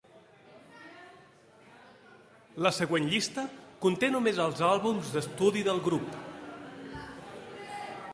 La següent llista conté només els àlbums d'estudi del grup.